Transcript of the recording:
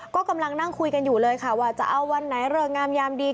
ก็กำลังนั่งคุยกันอยู่เลยค่ะว่าจะเอาวันไหนเริกงามยามดี